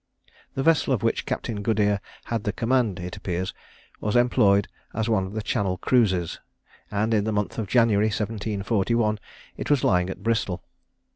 The vessel of which Captain Goodere had the command, it appears, was employed as one of the Channel cruisers, and in the month of January, 1741, it was lying at Bristol.